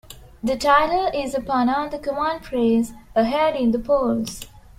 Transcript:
The title is a pun on the common phrase "Ahead in the polls".